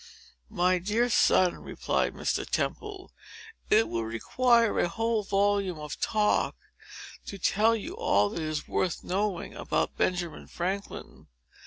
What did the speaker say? "My dear son," replied Mr. Temple, "it would require a whole volume of talk, to tell you all that is worth knowing about Benjamin Franklin.